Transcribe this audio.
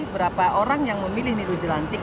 berapa orang yang memilih milo jelantik